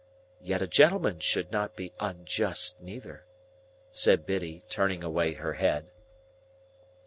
Yet a gentleman should not be unjust neither," said Biddy, turning away her head.